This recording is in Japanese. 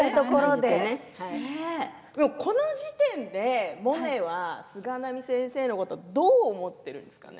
でも、この時点でモネは菅波先生のことをどう思っているんですかね。